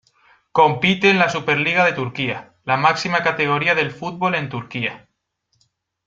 Compite en la Superliga de Turquía, la máxima categoría del Fútbol en Turquía.